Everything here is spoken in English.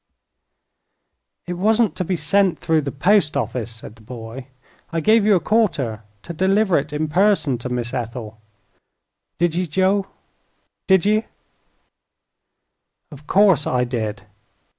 "It wasn't to be sent through the post office," said the boy. "I gave you a quarter to deliver it in person to Miss Ethel." "Did ye, Joe? did ye?" "Of course I did."